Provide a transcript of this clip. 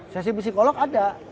sesi psikolog ada